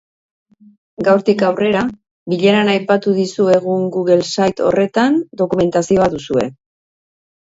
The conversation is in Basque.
Gaurtik aurrera, bileran aipatu dizuegun google site horretan, dokumentazioa duzue.